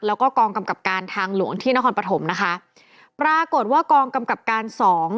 แล้วก็กองกำกับการทางหลวงที่นครปฐมนะคะปรากฏว่ากองกำกับการสอง